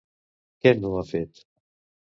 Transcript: Què no ha fet?